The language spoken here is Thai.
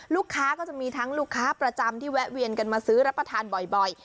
ก็จะมีทั้งลูกค้าประจำที่แวะเวียนกันมาซื้อรับประทานบ่อย